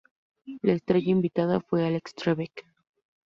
La estrella invitada fue Alex Trebek.